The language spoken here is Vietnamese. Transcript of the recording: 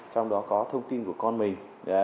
trong đó có thông tin của con mình